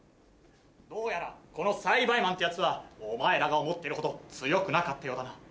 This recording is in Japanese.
どうやらこのサイバイマンってヤツはお前らが思ってるほど強くなかったようだな。